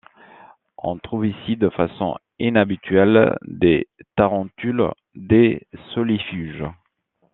On trouve ici de façon inhabituelle des tarentules, des solifuges.